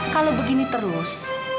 kalau begini terus